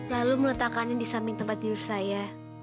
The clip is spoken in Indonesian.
lalu meletakkannya di samping tempat tidur saya